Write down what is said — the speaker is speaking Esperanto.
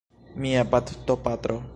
Mia baptopatro!